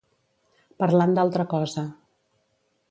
Parlant d'altra cosa.